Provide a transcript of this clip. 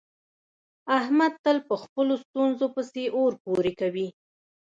احمد تل په خپلو ستونزو پسې اور پورې کوي.